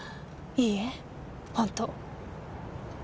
いいえ本当。